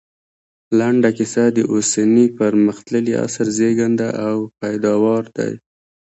لنډه کيسه د اوسني پرمختللي عصر زېږنده او پيداوار دی